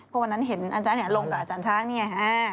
เพราะวันนั้นเห็นอาจารย์ลงกับอาจารย์ช้างนี่ไง